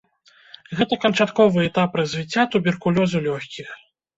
Гэта канчатковы этап развіцця туберкулёзу лёгкіх.